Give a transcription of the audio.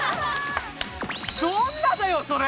どんなだよそれ！